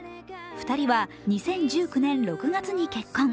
２人は２０１９年６月に結婚。